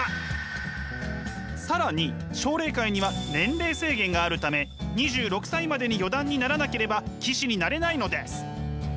更に奨励会には年齢制限があるため２６歳までに四段にならなければ棋士になれないのです！